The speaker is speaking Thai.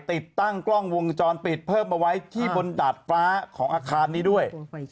ติดตั้งกล้องวงจรปิดเพิ่มมาไว้ที่บนดาดฟ้าของอาคารนี้ด้วย